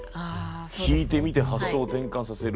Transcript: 引いてみて発想を転換させる。